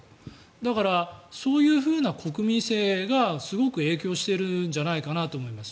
だから、そういうふうな国民性がすごく影響しているんじゃないかなと思います。